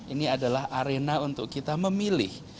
ini adalah arena untuk kita memilih